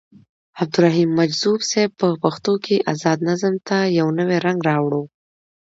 عبدالرحيم مجذوب صيب په پښتو کې ازاد نظم ته يو نوې رنګ راوړو.